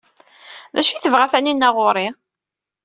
D acu ay tebɣa Taninna ɣer-i?